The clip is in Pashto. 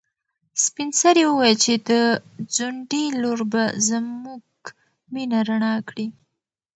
سپین سرې وویل چې د ځونډي لور به زموږ مېنه رڼا کړي.